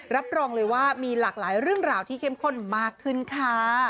รับรองเลยว่ามีหลากหลายเรื่องราวที่เข้มข้นมากขึ้นค่ะ